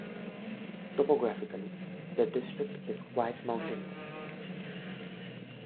Topographically, the district is quite mountainous.